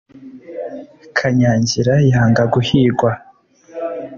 Kanyangira yanga guhigwa